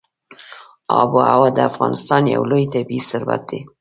آب وهوا د افغانستان یو لوی طبعي ثروت دی.